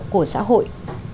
của xã hội